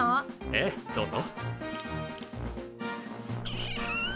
ええどうぞ。